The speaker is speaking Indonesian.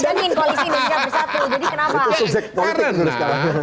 saya panjangin koalisi indonesia bersatu jadi kenapa